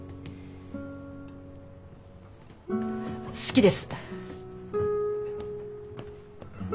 好きです。